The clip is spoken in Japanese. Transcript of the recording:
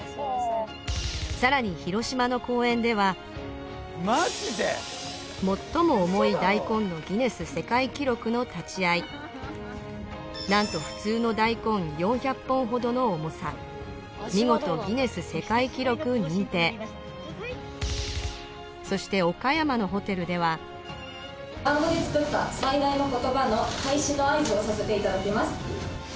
さらに広島の公園では最も重い大根のギネス世界記録の立ち会いなんと普通の大根４００本ほどの重さ見事ギネス世界記録認定そして岡山のホテルでは団子で作った最大の言葉の開始の合図をさせて頂きます。